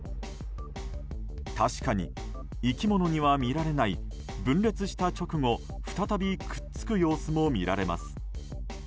確かに生き物には見られない分裂した直後再びくっつく様子も見られます。